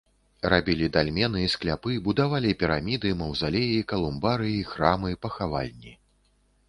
Рабілі дальмены, скляпы, будавалі піраміды, маўзалеі, калумбарыі, храмы, пахавальні.